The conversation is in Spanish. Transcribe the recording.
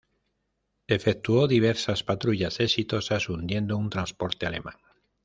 Efectuó diversas patrullas exitosas hundiendo un transporte alemán.